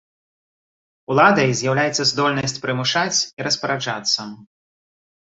Уладай з'яўляецца здольнасць прымушаць і распараджацца.